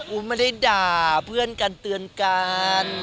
ไม่ได้ด่าเพื่อนกันเตือนกัน